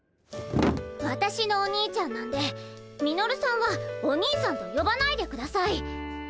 わたしのお兄ちゃんなんでミノルさんはお兄さんとよばないでください。